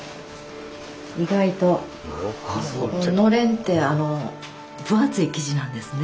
意外とのれんって分厚い生地なんですね。